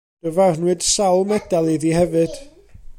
Dyfarnwyd sawl medal iddi hefyd.